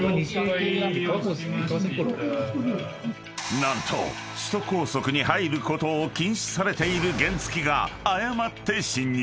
［何と首都高速に入ることを禁止されている原付が誤って進入］